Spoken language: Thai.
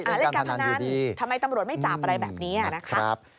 เล่นการพนันทำไมตำรวจไม่จับอะไรแบบนี้นะครับ